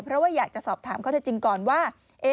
เพราะว่าอยากจะสอบถามข้อเท็จจริงก่อนว่า